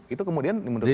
itu kemudian menurut saya